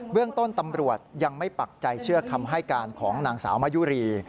เรื่องต้นตำรวจยังไม่ปักใจเชื่อคำให้การของนางสาวมะยุรี